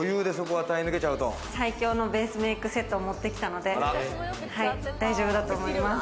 最強のベースメイクセットを持ってきたので大丈夫だと思います。